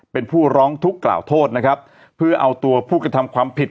เป็นผู้ร้องทุกข์กล่าวโทษนะครับเพื่อเอาตัวผู้กระทำความผิด